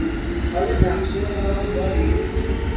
آیا نقشه راه دارید؟